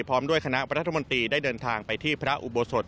พร้อมด้วยคณะรัฐมนตรีได้เดินทางไปที่พระอุโบสถ